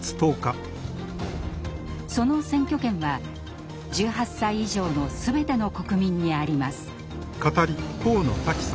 その選挙権は１８歳以上のすべての国民にあります。